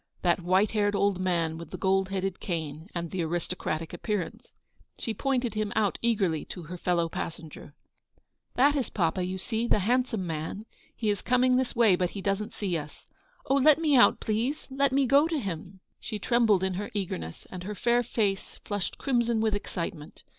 That white haired old man, with the gold headed cane, and the aristocratic appearance. She pointed him out eagerly to her fellow passenger. "That is papa — you see, — the handsome man. He is coming this way, but he doesn't see us. Oh, let me out, please; let me go to him !" She trembled in her eagerness, and her fair face flushed crimson with excitement.